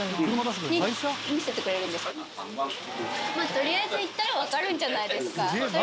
取りあえず行ったら分かるんじゃないですか？